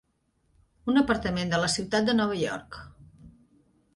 Un apartament de la ciutat de Nova York.